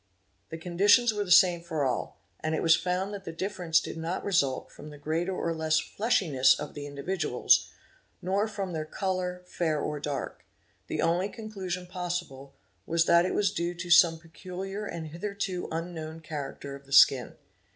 The conditions were the same for all, and it was found that the difference did not result from. the greater or less fleshiness of the individuals, nor from their colour, fair or _ dark: the only conclusion possible was that it was due to some peculiar. and hitherto unknown character of the skin.